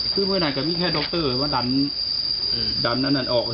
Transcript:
คือก็มีกับการดร์คเตอร์ดันก็ออกด้วยนะครับ